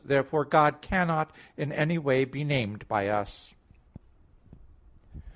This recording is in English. Therefore God cannot in any way be named by us.